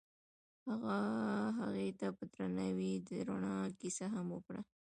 هغه هغې ته په درناوي د رڼا کیسه هم وکړه.